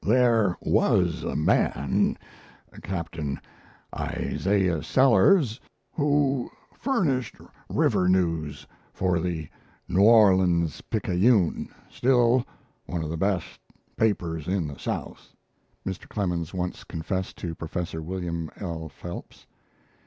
"There was a man, Captain Isaiah Sellers, who furnished river news for the New Orleans Picayune, still one of the best papers in the South," Mr. Clemens once confessed to Professor Wm. L. Phelps.